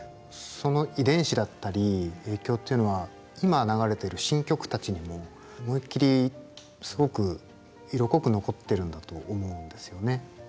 その遺伝子だったり影響っていうのは今流れてる新曲たちにも思いっきりすごく色濃く残ってるんだと思うんですよね。